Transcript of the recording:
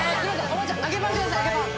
おばちゃん揚げパンください揚げパン。